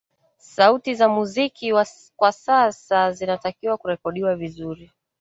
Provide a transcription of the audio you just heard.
sauti za muziki kwa sasa zinatakiwa kurekodiwa vizuri